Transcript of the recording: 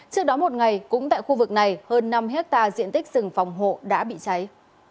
trước đó một ngày cũng tại khu vực này hơn năm hectare diện tích rừng phòng hộ đã bị cháy